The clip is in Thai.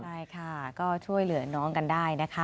ใช่ค่ะก็ช่วยเหลือน้องกันได้นะคะ